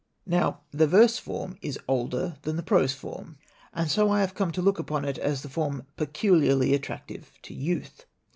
"Now, the verse form is older than the prose form. And so I have come to look upon it as the form peculiarly attractive to youth.